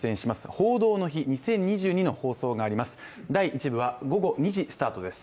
「報道の日２０２２」の放送があります。